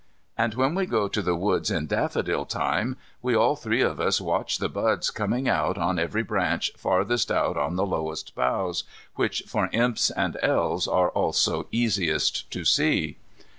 And when we go to the woods in daffodil time we all three of us watch the buds coming out on every branch farthest out on the lowest boughs, which for Imps and Elves are also easiest to see.